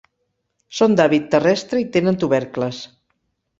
Són d'hàbit terrestre i tenen tubercles.